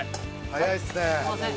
早いっすね。